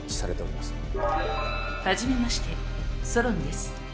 初めましてソロンです。